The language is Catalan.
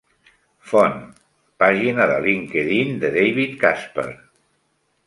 Font: pàgina de LinkedIn de David Casper.